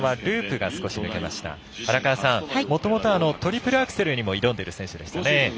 荒川さん、もともとはトリプルアクセルにも挑んでいる選手でしたよね。